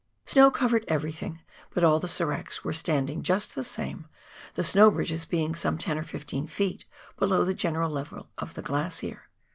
Snow covered everything, but all the seracs were standing just the same, the snow bridges being some 10 or 15 ft. below the general level of the glacier.